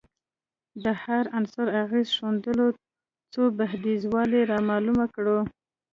د هر عنصر اغېز ښندلو څو بعدیزوالی رامعلوم کړو